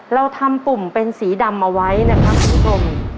เราทำปุ่มเป็นสีดำเอาไว้นะครับคุณผู้ชม